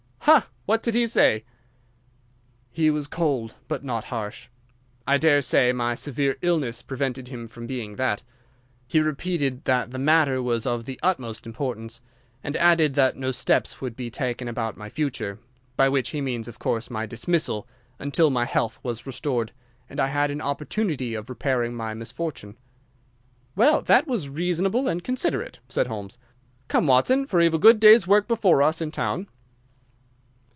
"Ha! What did he say?" "He was cold, but not harsh. I daresay my severe illness prevented him from being that. He repeated that the matter was of the utmost importance, and added that no steps would be taken about my future—by which he means, of course, my dismissal—until my health was restored and I had an opportunity of repairing my misfortune." "Well, that was reasonable and considerate," said Holmes. "Come, Watson, for we have a good day's work before us in town."